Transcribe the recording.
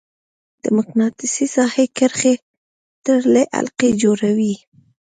د مقناطیسي ساحې کرښې تړلې حلقې جوړوي.